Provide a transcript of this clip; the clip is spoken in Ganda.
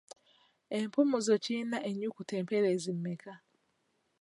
Empumuzo kirina ennukuta empeerezi mmeka?